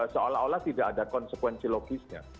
seolah olah tidak ada konsekuensi logisnya